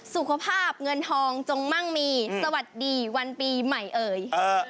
สุขภาพเงินทองจงมั่งมีสวัสดีวันปีใหม่เอ่ย